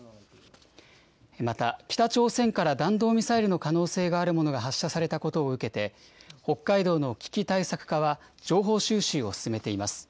また、北朝鮮から弾道ミサイルの可能性があるものが発射されたことを受けて、北海道の危機対策課は、情報収集を進めています。